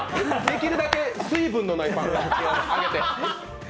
できるだけ水分のないパンあげて。